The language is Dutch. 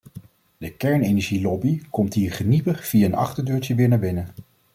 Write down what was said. De kernenergielobby komt hier geniepig via een achterdeurtje weer naar binnen.